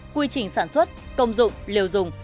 quy trình sản xuất công dụng liều dùng